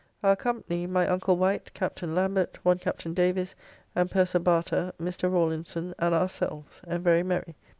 Our company my uncle Wight, Captain Lambert, one Captain Davies, and purser Barter, Mr. Rawlinson, and ourselves; and very merry.